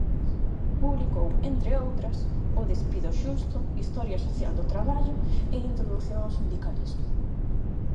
Publicou, entre outras, "O despido xusto", "Historia social do traballo" e "Introdución ao sindicalismo".